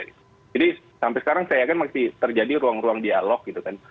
jadi sampai sekarang saya yakin masih terjadi ruang ruang dialog gitu kan